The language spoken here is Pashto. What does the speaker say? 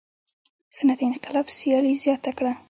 صنعتي انقلاب سیالي زیاته کړه.